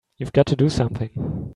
You've got to do something!